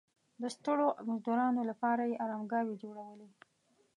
د ستړو مزدورانو لپاره یې ارامګاوې جوړولې.